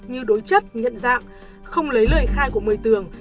như đối chất nhận dạng không lấy lời khai của một mươi tường